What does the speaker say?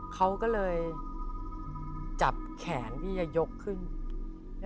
เขาก็เลยจับแขนพี่จะยกขึ้น